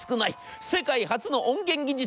世界初の音源技術